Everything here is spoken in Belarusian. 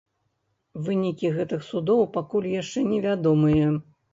Вынікі гэтых судоў пакуль яшчэ не вядомыя.